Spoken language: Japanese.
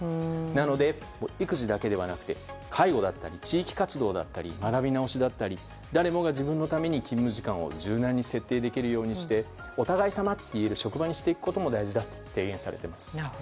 なので、育児だけではなくて介護や地域活動だったり学び直しだったり誰もが自分のために勤務時間を柔軟に設定できるようにしてお互い様と言えるような職場にしていくことが大事だと提言されています。